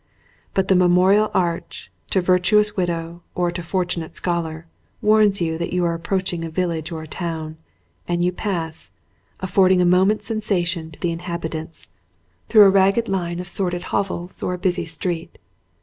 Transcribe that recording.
But the memorial arch, to virtuous widow or to fortunate scholar, warns you that you are approaching a village or a town, and you pass, affording a moment's sensation to the in habitants, through a ragged line of sordid hovels 87 ON A CHINESE SCEEEN or a busy street.